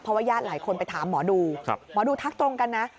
เพราะว่าญาติหลายคนไปถามหมอดูหมอดูทักตรงกันนะ